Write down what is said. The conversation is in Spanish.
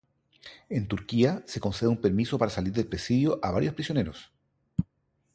En Turquía, se concede un permiso para salir del presidio a varios prisioneros.